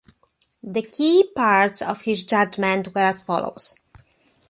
The key parts of his judgement were as follows.